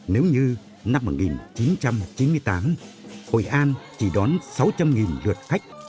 nếu như năm một nghìn chín trăm chín mươi tám hội an chỉ đón sáu trăm linh lượt khách